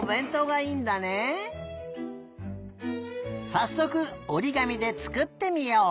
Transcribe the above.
さっそくおりがみでつくってみよう！